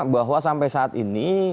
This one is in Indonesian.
bahwa sampai saat ini